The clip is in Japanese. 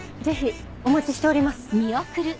ぜひお待ちしております。